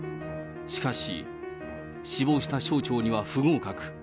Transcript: しかし、志望した省庁には不合格。